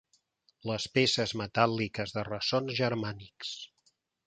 Les peces metàl·liques de ressons germànics.